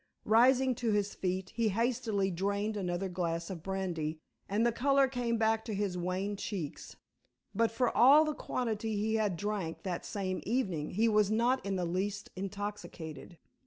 Rising to his feet he hastily drained another glass of brandy and the color came back to his wan cheeks. But for all the quantity he had drank that same evening he was not in the least intoxicated.